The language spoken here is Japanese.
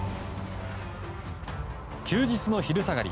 休日の昼下がり